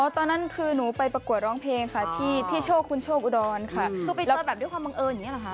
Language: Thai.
ตอนนั้นคือหนูไปประกวดร้องเพลงค่ะที่โชคคุณโชคอุดรค่ะคือไปเจอแบบด้วยความบังเอิญอย่างนี้หรอคะ